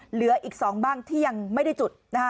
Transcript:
เหลืออีก๒บ้างที่ยังไม่ได้จุดนะคะ